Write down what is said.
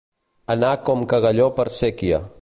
Anar com cagalló per séquia.